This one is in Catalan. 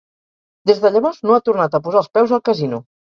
Des de llavors no ha tornat a posar els peus al casino.